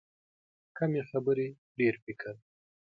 کمې خبرې، ډېر فکر.